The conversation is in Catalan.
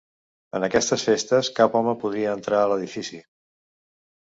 En aquestes festes cap home podia entrar a l'edifici.